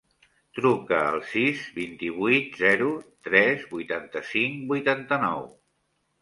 Truca al sis, vint-i-vuit, zero, tres, vuitanta-cinc, vuitanta-nou.